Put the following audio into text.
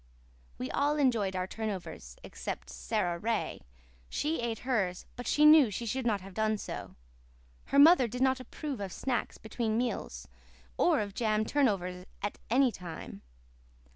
We all enjoyed our turnovers except Sara Ray. She ate hers but she knew she should not have done so. Her mother did not approve of snacks between meals, or of jam turnovers at any time.